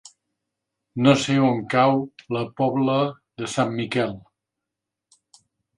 No sé on cau la Pobla de Sant Miquel.